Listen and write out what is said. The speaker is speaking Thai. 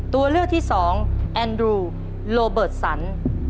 ตัวเลือกที่สองแอนดรูโลเบิร์ตสัน